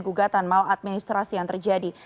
dugaan maladministrasi yang terjadi